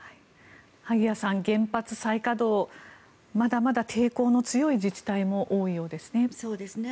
萩谷さん、原発再稼働まだまだ抵抗の強い自治体も多いようですね。